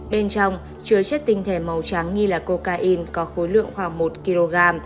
bên trong chứa chất tinh thể màu trắng nghi là cocaine có khối lượng khoảng một kg